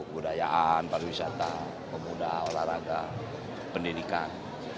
budayaan pariwisata pemuda olahraga pendidikan